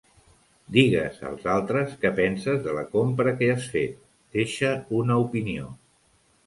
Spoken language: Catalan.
Digues als altres què penses de la compra que has fet, deixa una opinió.